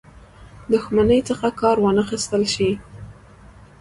دښمنۍ څخه کار وانه خیستل شي.